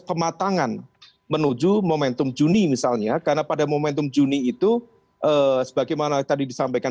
kematangan menuju momentum juni misalnya karena pada momentum juni itu sebagaimana tadi disampaikan